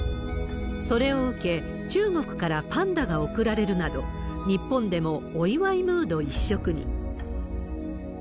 それを受け、中国からパンダが贈られるなど、日本でもお祝いムード一色に。